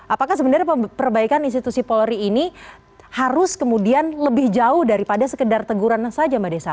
apakah sebenarnya perbaikan institusi polri ini harus kemudian lebih jauh daripada sekedar teguran saja mbak desa